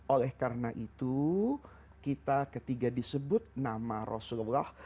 oleh karena itu ketika kita disebut nama rasulullah